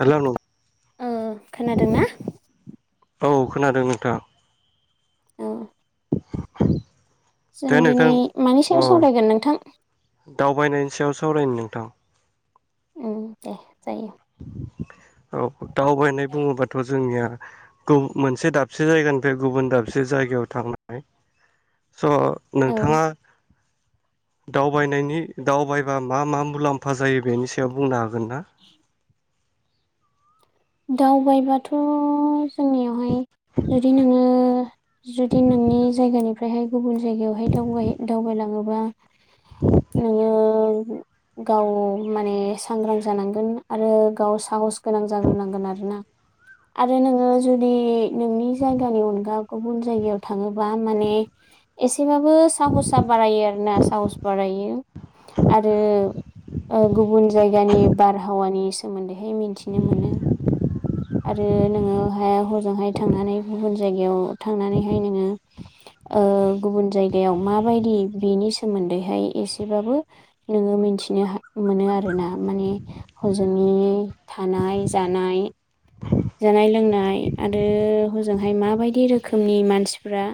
Hello नों ओ खोनादोंना [unintelligible] औ खोनादों नोंथां। औ। [unintelligible] जों नोंथां दिनै मानि अ सायाव सावरायगोन नोंथां? दावबायनायनि सायाव सावरायनो नोंथां। उम दे जायो। औ दावबायनाय बुङोबाथ' जोंनिया मोनसे दाबसे जायगानिफ्राय गुबुन दाबसे जायगायाव थांनाय। स' औ नोंथाङा। दावबायनायनि दावबायबा मा मा मुलाम्फा जायो बेनि सायाव बुंनो हागोन। हागोनना? दावबायबाथ। जोंनियावहाय जुदि नोङो। जुदि नोंनि जायगानिफ्रायहाय गुबुन जायगायावहाय दावबाय दावबायलाङोबा। नोङो। गाव माने सांग्रां जानांगोन आरो गाव साहस गोनां जाग्रोनांगोन। आरोना आरो नोङो जुदि नोंनि जायगानि अनगा गुबुन जायगायाव थाङोबा माने एसेबाबो साहसा बारायो आरोना साहस बारायो आरो गुबुन जायगानि बारहावानि सोमोन्दैहाय मिन्थिनो मोनो। आरो नोङोहाय हजोंहाय थांनानै गुबुन जायगायाव थांनानैहाय नोङो ओ गुबुन जायगायाव माबायदि बेनि सोमोन्दैहाय एसेबाबो नोङो मिथिनो मोनो आरोना माने हजोंनि थानाय जानाय। जानाय लोंनाय आरो हजोंहाय माबायदि रोखोमनि मानसिफोरा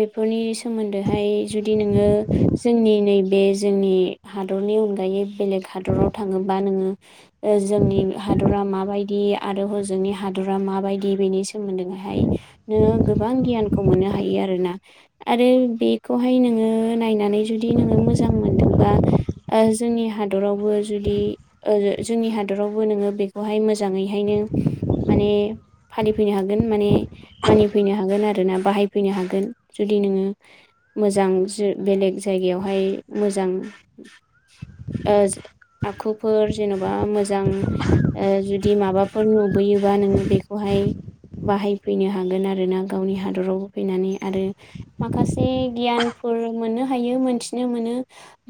बेफोरनि सोमोन्दैहाय जुदि नोङो जोंनि नैबे जोंनि हादरनि अनगायै बेलेग हादराव थाङोबा नोङो जोंनि हादरा माबायदि आरो हजों। जोंनि हादरा माबायदि बेनि सोमोन्दैहाय नोङो गोबां गियानखौ मोननो हायो आरोना आरो बेखौहाय नोङो नायनानै जुदि नोङो मोजां मोनदोंबा ओ जोंनि हादरावबो जुदि जोंनि हादरावबो नोङो बेखौहाय मोजाङैहायनो। माने फालिफैनो हागोन माने मानिफैनो हागोन आरोना बाहायफैनो हागोन जुदि नोङो मोजां बेलेग जायगायावहाय मोजां ओ आखुफोर जेन'बा मोजां जुदि माबा। नुबोयोबा नोङो बेखौहाय बाहायफैनो हागोन आरोना गावनि हादराव फैनानै आरो माखासे गियानफोर मोननो हायो मोनथिनो मोनो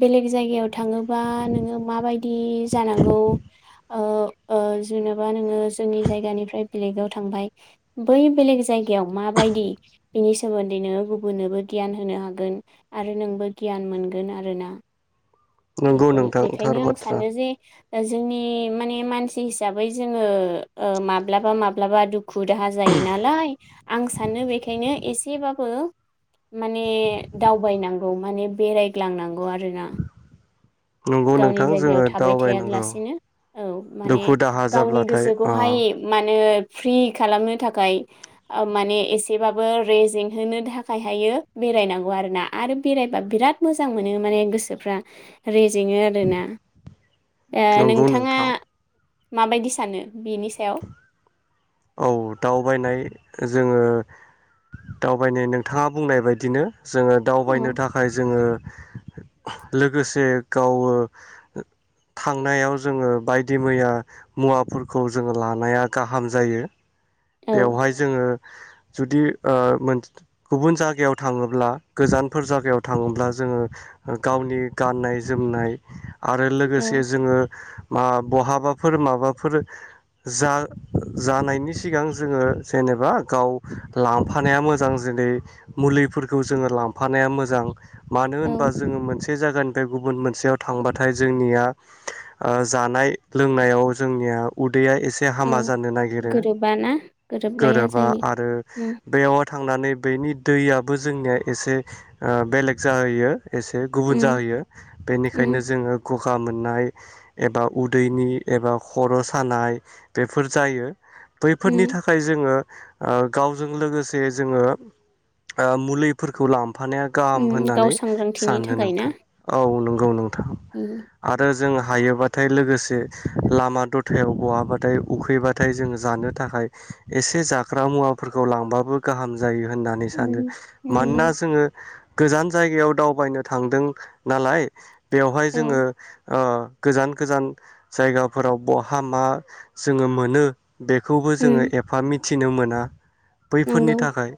बेलेग जायगायाव थाङोबा नोङो माबायदि जानांगौ ओ ओ जेनेबा। नोङो जोंनि जायगानिफ्राय बेलेगाव थांबाय बै बेलेग जायगायाव माबायदि बिनि सोमोन्दै नोङो गुबुननोबो गियान होनो हागोन आरो नोंबो गियान मोनगोन आरोना। नंगौ बेखौ नोंथां थार बेखायनो आं बाथ्रा सानो जे। जोंनि माने मानसि हिसाबै जोङो ओ माब्लाबा माब्लाबा दुखु दाहा जायो नालाय आं सानो बेखायनो एसेबाबो माने दावबायनांगौ माने बेरायग्लांनांगौ आरोना। नंगौ गावनि नोंथां जोङो जायगायाव थाबाय दावबायनांगौ थायालासिनो औ माने दुखु दाहा गावनि जाब्लाथाय अ गोसोखौहाय माने। फ्रि खालामनो थाखाय माने एसेबाबो रेजें होनो थाखायहायो बेरायनांगौ आरोना आरो बेरायबा बिराद मोजां मोनो माने गोसोफ्रा जोङो आरोना नंगौ नोंथाङा नोंथां माबायदि सानो। बिनि सायाव? औ दावबायनाय जोङो दावबायनाय नोंथाङा बुंनाय बायदिनो। जोङो दावबायनो औ थाखाय जोङो। लोगोसे गावो थांनायाव जोङो बायदि मैया मुवाफोरखौ जोङो लानाया गाहाम। जायो। औ बेवहाय जोङो जुदि ओ मोन गुबुन जागायाव थाङोब्ला गोजानफोर जागायाव थाङोब्ला जोङो गावनि गाननाय जोमनाय आरो औ लोगोसे जोङो मा बहाबाफोर माबाफोर जा जानायनि सि सिगां जोङो जेनेबा गाव लांफानाया मोजां जेरै मुलिफोरखौ जोङो लांफानाया मोजां। मानो औ होनबा जोङो मोनसे से जायगानिफ्राय गुबुन मोनसेयाव थांबाथाय जोंनिया ओ जानाय लोंनायाव जोंनिया उ औ दैैया गोरोबाना गोरोबलाया गोरोबा जायो आरो उम बेयाव थांनानै बेनि दैयाबो जोंनिया एसे ओ बेलेग जाहैयो एसे गुबुन उम जाहोयो उम बेनिखायनो जोङो ग गा मोननाय एबा उदैनि एबा खर सानाय बेफोर जायो बैफोरनि उम थाखाय जोङो ओ गावजों लोगोसे जोङो ओ मुलिफोरखौ लां फानाया उम गाहाम गाव होननानै सांग्रांथिनि सानो थाखाय ना नोंथां औ नों गौ नों उम जों हायोबाथाय लोगोसे लामा दथायाव बहाबाथाय उखैबाथाय जोङो जानो थाखाय एसे होननानै सानो उम नंगौ मानोना जोङो गोजान जायगायाव दावबायनो थांदों नालाय बेवहाय औ जोङो ओ गोजान गोजान जायगाफोराव बहा मा जोङो मोनो बेखौबो जोङो उम एफा मिथ थिनो मोना। बैफोरनि नंगौ थाखाय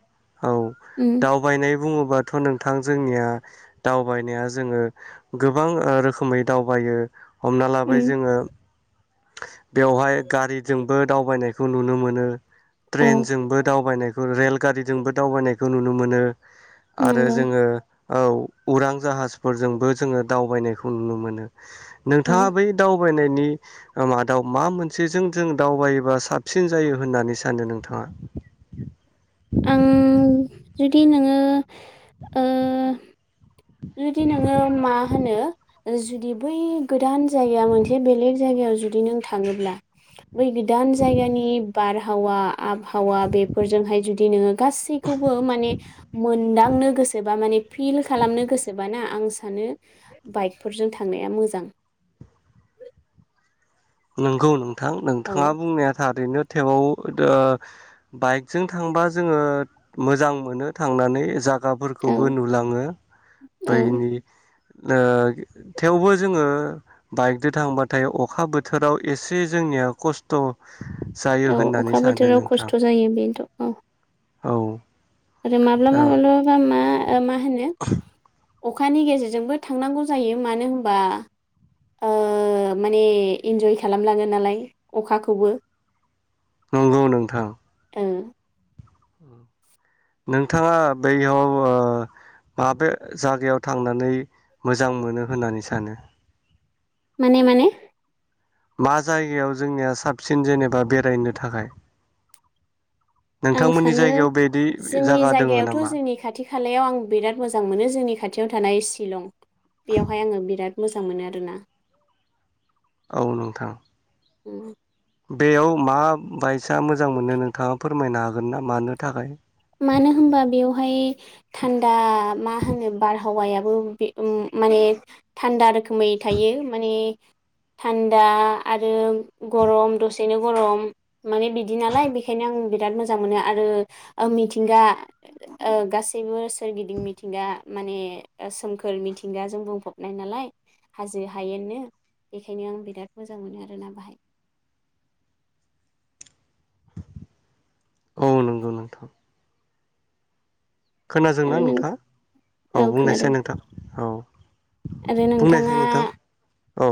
औ उम दावबायनाय बुङो बाथ' नोंथां जोंनिया दावबायनाया जोङो गोबां रोखोमै दावबायो हमना लाबाय उम जोङो बेवहाय गारिजोंबो दावबायनायखौ नुनो मोनो औ ट्रेनजोंबो दावबायनाय रेलगारिजोंबो आरो नंगौ जोङो औ उरां जाहाजफोरजोंबो जोङो दावबायनायखौ नुनो मोनो। औ नोंथाङा बै दाव फरायनायनि मादाव मा मोनसे जों दावबाय साबसिन जायो होननानै सानो नोंथाङा उ उ जुदि नोङो मा होनो जुदि बै गोदान जायगा मोनसे बेलेग जायगायाव जुदि नों थाङोब्ला बै गोदान जायगानि बारहावा आबहावा बेफोरजोंहाय जुदि नोङो गासैखौबो माने मोनदांनो गोसोबा माने फिल खालामनो गोसो ना आं सानो बाइकफोरजों थांनाया मोजां नंगौ नों थां नोंथाङा औ बुंनाया थारैनो थेवाव ओ बाइकजों थांबा जोङो मोजां मोनो थांनानै जा गा फोरखौबो औ नुलाङो औ बैनि ओ थेवबो जोङो बाइकजों थांबा थाय अखा बो थोराव एसे जोंनिया खस्थ जायो औ होननानै अखा सानो बोथोराव नोंथां खस्थ' जायो बेथ' औ औ आरो ओ माब्लाबा माब्लाबा मा ओ मा होनो अखानि गेजेरजोंबो थांनांगौ जायो मानो होनबा ओ माने इन्जय खालामलाङो नालाय अखाखौबो नंगौ नोंथां ओं नोंथाङा बैयाव ओ माबे जायगायाव थांनानै मोजां मोनो होननानै सानो माने माने मा जायगायाव जोंनिया साबसिन जेनेबा बेरायनो थाखाय आं नोंथांमोननि सानो जायगायाव बिदि जोंनि जागा दोङो जायगायावथ' नामा जोंनि खाथि-खालायाव आं बिराद मोजां मोनो जोंनि खाथियावथ' थानाय शिलं बेयावहाय आङो बिराद मोजां मोनो आरोना औ नोंथां उम बेयाव मा बायसा मोजां मोनो नोंथाङा फोरमायनो हागोन ना मानो थाखाय मानो होनबा बेवहाय थान्दा मा होनो बार हावायाबो बे माने थान्दा रोखो मै थायो माने थान्दा आरो गरम दसे बिनो गरम माने बिदि नालाय बेखायनो आं बिराद मोजां मोनो आरो ओ मिथिंगा ओ गासैबो सोरगिदिं मिथिंगा माने सोमखोर मिथिंगाजों बुंफबनाय नालाय हाजो हायनो बेखायनो आं बिराद मोजां मोनो आरोना बाहाय । औ नंगौ नोंथां। खोनादोंना आरो नों नोंथाङा औ बुंनायसै नोंथां औ। आरो बुंनायसाय नोंथाङा नोंथां औ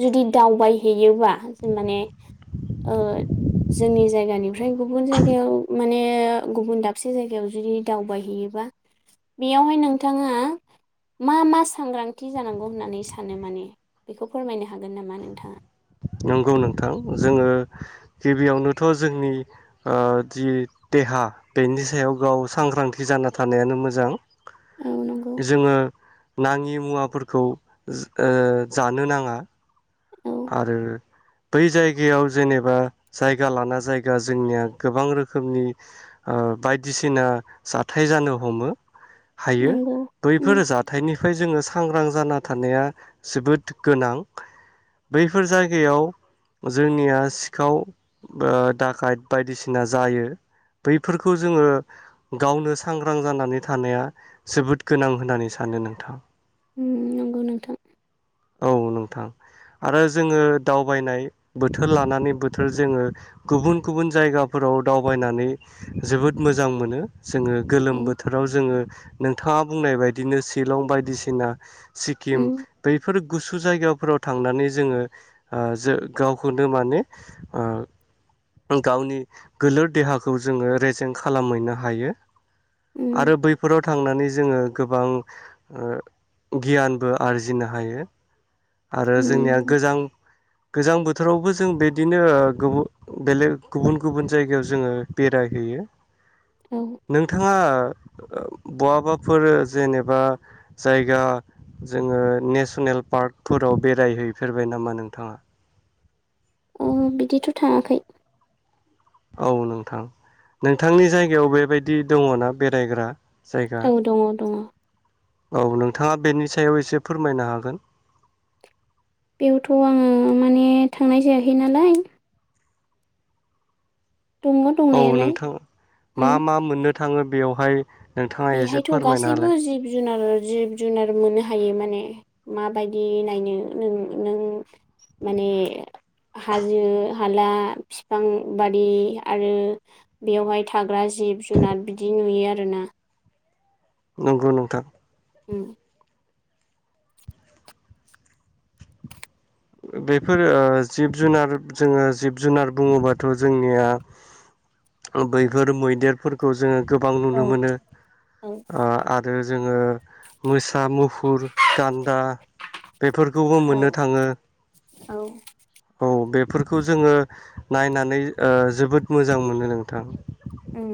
जुदि दावबायहैयोबा जेन माने ओ जोंनि जायगानिफ्राय गुबुन जायगायाव माने गुबुन दाबसे जायगायाव जुदि दावबायहैयोबा बेयावहाय नोंथाङा मा मा सांग्रांथि जानांगौ होननानै सानो माने बेखौ फोरमायनो हागोन नामा नोंथाङा। नंगौ नोंथां जोङो गिबियावनोथ' जोंनि ओ जि देहा बेनि सायाव गाव सांग्रांथि जाना थानायानो मोजां‌ औ नंगौ जोङो नाङि मुवाफोरखौ खौ ओ जानो नाङा। औ जेयाव जेनेबा जायगायाव जेनेबा जायगा लाना जायगा जोंनिया गोबां रोखोमनि ओ बायदिसिना जाथाय जानो हमो हायो नंगौ उम बैफोर जाथायनिफ्राय जोङो सांग्रां जाना थानाया जोबोद गोनां। बैफोर जायगायाव जोंनिया सिखाव ओ दाखायद बायदिसिना जायो बैफोरखौ जोङो गावनो सांग्रां जानानै थानाया जोबोद गोनां होननानै सानो नोंथाङा। उम नंगौ नोंथां। औ नोंथां। आरो जोङो दावबायनाय बोथोर लानानै बोथोर जोङो गुबुन गुबुन जायगाफोराव दावबायनानै जोबोद मोजां मोनो। जोङो औ गोलोम बोथोराव जोङो नोंथाङा बुंनाय बायदिनो शिलं बायदिसिना सिक्किम उम बैफोर गुसु जायगायाव फोराव थांनानै जोङो जो गावखौनो माने गावनि गोलोर देहाखौ जोङो रेजेंन्ट खालामहैनो हायो। उम आरो बैफोराव थांनानै जोङो गोबां ओ गियानबो आरजिनो हायो। आरो जोंनिया उम गोजां गोजां बोथोरावबो जों बिदिनो ओ गुबु बेलेग गुबुन गुबुन जायगायाव जोङो बेरायहैयो। औ नोंथाङा ओ बहाबाफोर जेनेबा जायगा जोङो नेसनेल पार्कफोराव बेरायहैयो फेरबाय नामा नोंथाङा। उम बिदिथ' थाङाखै औ नोंथां नोंथांनि जायगायाव बेबायदि दङ ना बेरायग्रा जायगा औ दङ दङ। औ नोंथाङा बेनि सायाव एसे फोरमायनो हागोन। बेयावथ' आङो माने थांनाय जायाखै नालाय दङ औ दंनायालाय नोंथां उम मा मा मोननो थाङो। बेवहाय बेहायथ' गासैबो जिब जुनार जिब जुनार मोननो हायो माने माबायदि नायनो नों नों माने हाजो हाला बिफां बारि आरो बेयावहाय थाग्रा जिब जुनार बिदि नुयो आरोना नंगौ नोंथां उम बेफोरो ओ जिब जुनार जोङो जिब जुनार बुङोबाथ' जोंनिया बैफोर मैदेरफोरखौ जोङो गोबां औ नुनो मोनो औ ओ आरो जों ओ मोसा मुफ फुर गान्दा बेफोरखौबो औ मोननो थाङो औ औ बेफोरखौ जोङो नायनानै ओ जोबोद मोजां मोनो नोंथां उम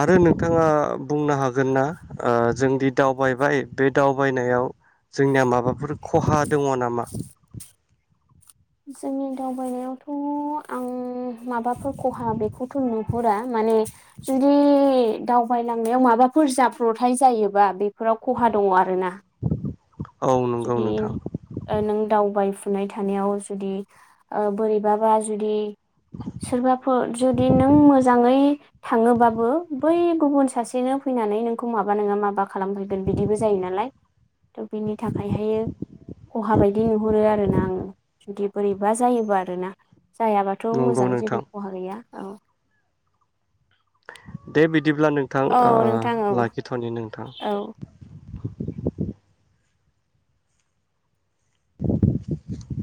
आरो नोंथाङा बुंनो हागोन ना ओ जोंदि दावबायबाय बे दावबायनायाव जोंनिया माबाफोर खहा दङ नामा जोंनि दावबायनायावथ' आं माबाफोर खहा बेखौथ' नुहुरा माने जुदि दावबायलांनायाव माबाफोर जाब्रथाय जायोबा बेफोराव खहा दङ आरो ना [inaudible] नंगौ जुदि नोंथां ओ नों दावबाय फुनाय थानायाव जुदि ओ बोरैबाबा जुदि सोरबाफोर जुदि नों मोजाङै थाङोबाबो बै गुबुन सासेनो फैनानै नोंखौ माबा नङा माबा खालामफैगोन बिदिबो जायो नालाय दा बिनि थाखायहायो खहा बायदि नुहरो आरो ना आं जुदि बोरैबा जायोबा आरो ना जायाबाथ' नंगौ मोजां नोंथां जेबो खहा गैया औ दे बि बिदिब्ला नोंथां औ ओ नोंथां औ लाखिथ'नि नोंथां औ [inaudible]